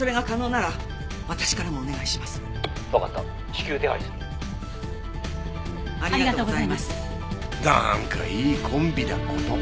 なんかいいコンビだこと。